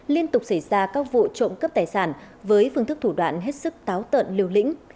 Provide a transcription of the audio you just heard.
liên tục xảy ra các vụ trộm cắp tài sản với phương thức thủ đoạn hết sức táo tợn liều lĩnh